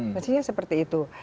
maksudnya seperti itu